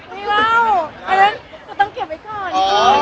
ไม่เล่าอันนั้นคือต้องเก็บไว้ก่อน